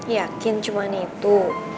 yakin cuman itu